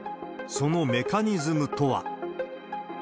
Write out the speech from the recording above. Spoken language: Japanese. そのメカニズムとは。